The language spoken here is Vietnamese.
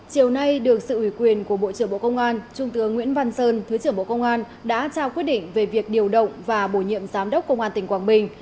chiều nay được sự ủy quyền của bộ trưởng bộ công an trung tướng nguyễn văn sơn thứ trưởng bộ công an đã trao quyết định về việc điều động và bổ nhiệm giám đốc công an tỉnh quảng bình